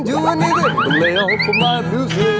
ผู้ชายในฝันสุดแซ่บ